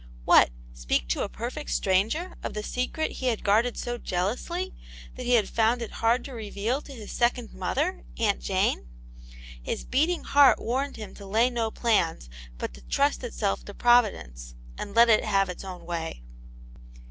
What, speak to a perfect stranger of the secret he had guarded so jealously that he had found it so hard to reveal to his second mother. Aunt Jane ? His beating heart warned him to lay no plans, but to trust itself to Providence, and let it have its own way.